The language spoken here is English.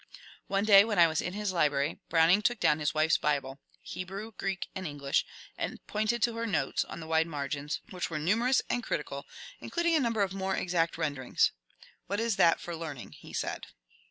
One day when I was in his library Browning took down his wife's Bible, — Hebrew, Greek, and English, — and pointed to her notes (on the wide margins), which were nu QUEEN VICrrORIA AND BROWNING 26 merons and critical, including a number of more exact ren derings. ^^ What is that for learning ?" he said.